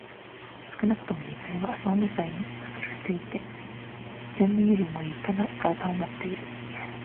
少なくとも二階は総二階につくられていて、前面よりもりっぱな外観をもっている。